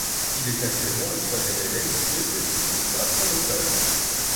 Il est actuellement le troisième évêque du diocèse de Tulsa dans l'Oklahoma.